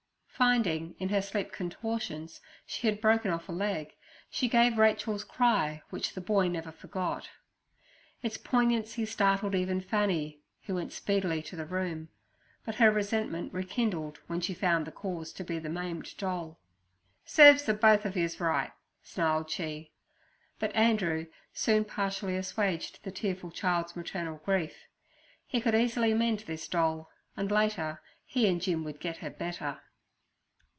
Finding in her sleep contortions she had broken off a leg, she gave Rachel's cry which the boy never forgot. Its poignancy startled even Fanny, who went speedily to the room; but her resentment rekindled when she found the cause to be the maimed doll. 'Serves ther both er yer rights' snarled she. But Andrew soon partially assuaged the tearful child's maternal grief; he could easily mend this doll, and later he and Jim would get her a better.